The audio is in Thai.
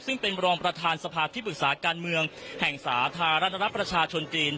ซึ่งเป็นรองประธานสภาที่ปรึกษาการเมืองแห่งสาธารณรัฐประชาชนจีน